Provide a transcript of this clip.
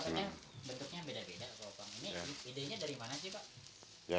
ini idenya dari mana sih pak